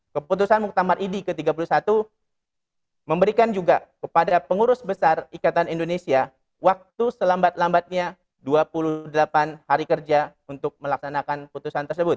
keputusan muktamar idi ke tiga puluh satu memberikan juga kepada pengurus besar ikatan indonesia waktu selambat lambatnya dua puluh delapan hari kerja untuk melaksanakan putusan tersebut